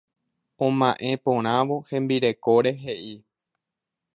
Oma'ẽ porãvo hembirekóre he'i.